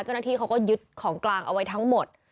เจ้าหน้าที่เขาก็ยึดของกลางเอาไว้ทั้งหมด